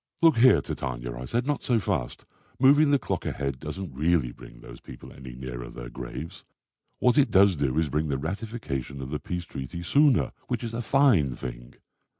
"Look here, Titania," I said. "Not so fast. Moving the clock ahead doesn't really bring those people any nearer their graves. What it does do is bring the ratification of the Peace Treaty sooner, which is a fine thing.